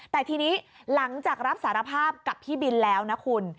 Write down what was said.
แต่ทีนี้หลังจากรับสารภาพกับพี่บินแล้วนะคุณ